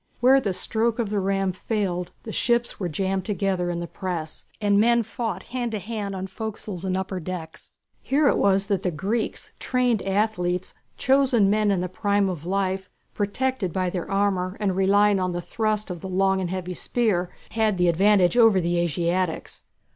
Where the stroke of the ram failed, the ships were jammed together in the press, and men fought hand to hand on forecastles and upper decks. Here it was that the Greeks, trained athletes, chosen men in the prime of life, protected by their armour and relying on the thrust of the long and heavy spear, had the advantage over the Asiatics.